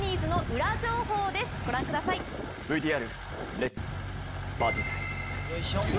ＶＴＲ。